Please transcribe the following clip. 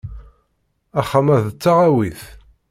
Axxam-a d tawaɣit.